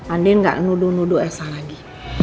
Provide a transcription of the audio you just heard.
andin nggak nuduh nuduh elsa lagi